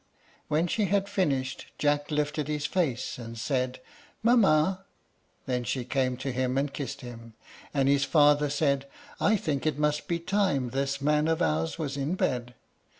When she had finished, Jack lifted his face and said, "Mamma!" Then she came to him and kissed him, and his father said, "I think it must be time this man of ours was in bed."